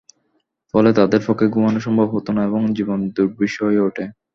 ফলে তাদের পক্ষে ঘুমানোও সম্ভব হতো না এবং জীবন দুর্বিষহ হয়ে ওঠে।